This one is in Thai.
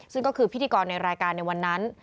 ซึ่งก็คือพิธีกรในรายการในวันนั้น